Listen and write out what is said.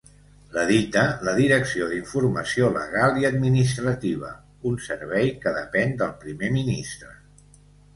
L'edita la direcció d'informació legal i administrativa, un servei que depèn del Primer ministre.